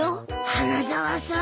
花沢さん。